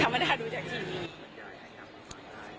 ธรรมดานดูจากที